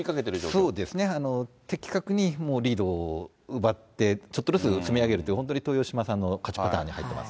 そうですね、的確にもうリードを奪って、ちょっとずつ積み上げるっていう、本当に豊島さんの勝ちパターンに入ってます。